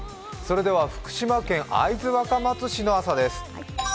福島県会津若松市の朝です